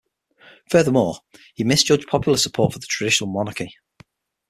Furthermore, he misjudged popular support for the traditional monarchy.